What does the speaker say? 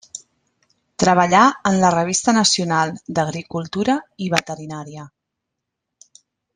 Treballà en la revista nacional d'agricultura i veterinària.